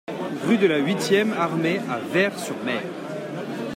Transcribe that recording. Rue de la Huitième Armée à Ver-sur-Mer